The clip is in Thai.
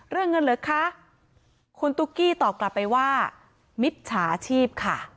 เรื่องเงินเหรอคะคุณตุ๊กกี้ตอบกลับไปว่ามิจฉาชีพค่ะ